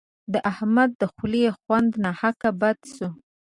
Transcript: د احمد د خولې خوند ناحق بد سو.